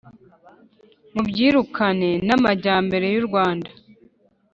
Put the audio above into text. Mubyirukane n'amajyambere y'u Rwanda